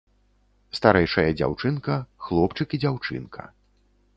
Старэйшая дзяўчынка, хлопчык і дзяўчынка.